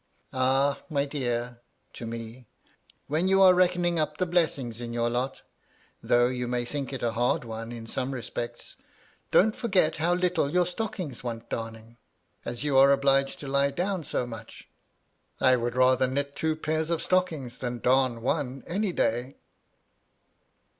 Ah, my dear (to me) ! when you are reckoning up the blessings in your lot, — though you may think it a hard one in some respects, — ^don't forget how little your stockings want darning, as you are obliged to lie down so much I I 212 MT LADT LUDLOW. would rather knit two pairs of stockings than dam one, any day."